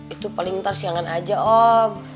itu paling ntar siangan aja om